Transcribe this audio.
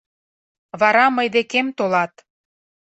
Вара мый декем толат.